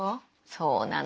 そうなの。